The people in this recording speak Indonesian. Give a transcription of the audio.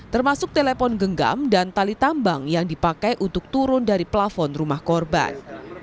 termasuk telepon genggam dan tali tambang yang dipakai untuk turun dari plafon rumah korban